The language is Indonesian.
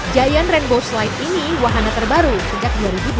giant rainbow slide ini wahana terbaru sejak dua ribu dua belas